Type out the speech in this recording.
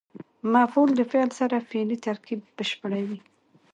مفعول د فعل سره فعلي ترکیب بشپړوي.